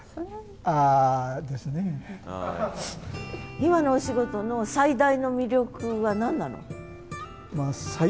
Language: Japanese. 今のお仕事の最大の魅力は何なの？